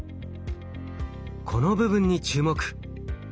この部分に注目。